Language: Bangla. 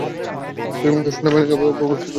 তুই এবং তোর সেনাবাহিনীর উপর অভিশাপ দিয়েছি!